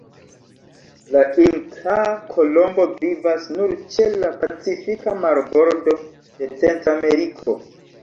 La Inkaa kolombo vivas nur ĉe la Pacifika marbordo de Centrameriko.